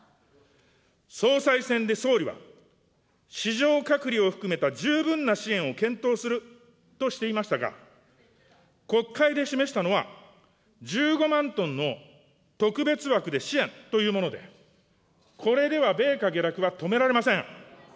総裁選で総理は、市場隔離を含めた十分な支援を検討するとしていましたが、国会で示したのは１５万トンの特別枠で支援というもので、これでは米価下落は止められません。